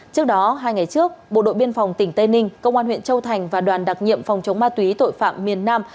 trước đó hai ngày trước bộ đội biên phòng tỉnh tây ninh công an huyện châu thành và đoàn đặc nhiệm phòng chống ma túy tội phạm miền nam